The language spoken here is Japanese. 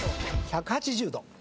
１８０度。